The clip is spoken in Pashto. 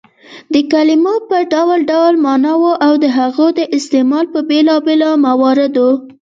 د کلیمو په ډول ډول ماناوو او د هغو د استعمال په بېلابيلو مواردو